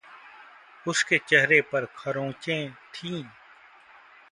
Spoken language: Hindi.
उसके चेहरे पर खरोंचें थी।